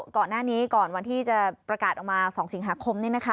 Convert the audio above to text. ก่อนหน้านี้ก่อนวันที่จะประกาศออกมา๒สิงหาคม